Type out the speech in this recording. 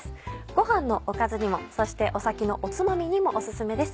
ごはんのおかずにもそして酒のおつまみにもお薦めです。